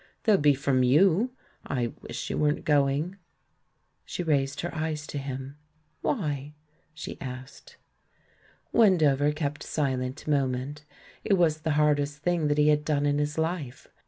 "They'll be from you. ... I wish you weren't going." She raised her eyes to him. "Why?" she asked. Wendover kept silent a moment — it was the hardest thing that he had done in his hfe.